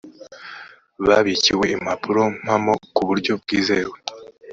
babikiwe impapurompamo ku buryo bwizewe